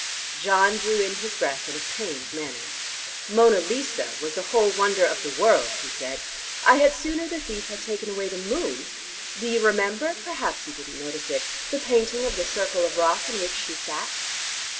John drew in his breath in a pained manner. "'Mona Lisa' was the whole wonder of the world," he said. "I had sooner the thief had taken away the moon. Do you remember perhaps you didn't notice it the painting of the circle of rock in which she sat?"